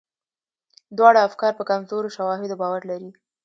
دواړه افکار په کمزورو شواهدو باور لري.